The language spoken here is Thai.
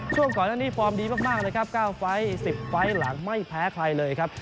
ช่วงก่อนอันนี้ฟอร์มดีมากเลยครับ๙ไฟล์๑๐ไฟล์หลังไม่แพ้ใครเลยครับ